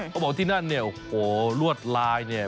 เขาบอกที่นั่นเนี่ยโอ้โหลวดลายเนี่ย